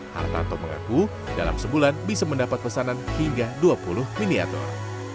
hartanto mengaku dalam sebulan bisa mendapat pesanan hingga dua puluh miniatur